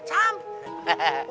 tadi aku lapar sam